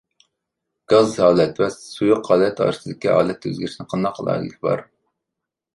گاز ھالەت ۋە سۇيۇق ھالەت ئارىسىدىكى ھالەت ئۆزگىرىشىنىڭ قانداق ئالاھىدىلىكى بار؟